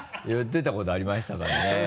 言ってたことありましたからね。